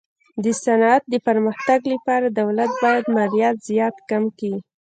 د صنعت د پرمختګ لپاره دولت باید مالیات زیات کم کي.